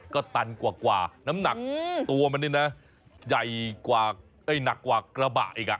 ก็ตันกว่าน้ำหนักตัวมันนี่นะใหญ่หนักกว่ากระบะอีก